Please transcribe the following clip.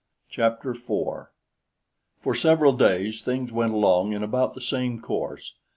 Chapter 4 For several days things went along in about the same course.